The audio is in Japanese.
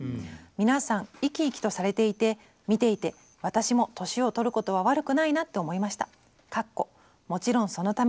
皆さん生き生きとされていて見ていて私も年をとることは悪くないなって思いました。」。